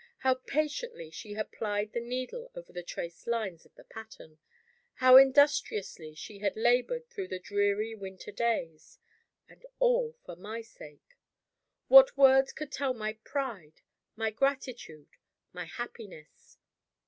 how patiently she had plied the needle over the traced lines of the pattern! how industriously she had labored through the dreary winter days! and all for my sake! What words could tell my pride, my gratitude, my happiness?